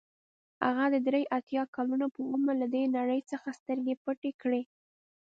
هغه د درې اتیا کلونو په عمر له دې نړۍ څخه سترګې پټې کړې.